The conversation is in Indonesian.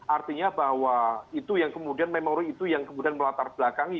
artinya bahwa itu yang kemudian memori itu yang kemudian melatar belakangi